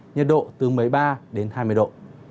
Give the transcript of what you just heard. nhiệt độ từ một mươi ba đến hai mươi độ